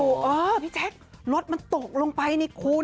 โอ้วพี่แจ๊กรถมันตกลงไปในคลุม